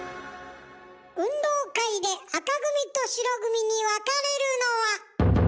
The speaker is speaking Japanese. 運動会で赤組と白組にわかれるのは。